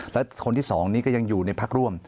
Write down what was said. และคนที่๒นี้ก็ยังอยู่ในพักร่วม